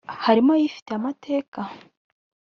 harimo ayifitiye amateka?